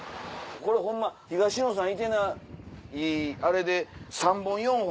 これホンマ東野さんいてないあれで。